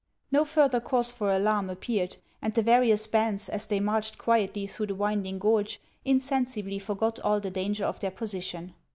No further cause for alarm appeared, and the various bands, as they marched quietly through the winding gorge, insensibly forgot all the danger of their position.